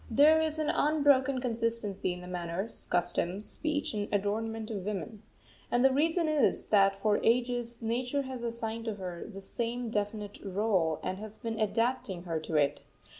There is an unbroken consistency in the manners, customs, speech, and adornment of woman. And the reason is, that for ages Nature has assigned to her the same definite rôle and has been adapting her to it.